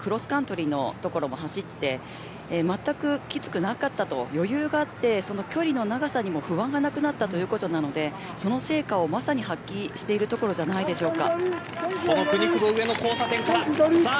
合宿では２４キロのクロスカントリーの所も走ってまったくきつくなかったと余裕があってその距離の長さにも不安がなくなったということなのでその成果をまさに発揮してるところじゃないでしょうか。